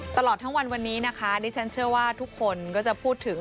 ตลอดทั้งวันวันนี้นะคะดิฉันเชื่อว่าทุกคนก็จะพูดถึง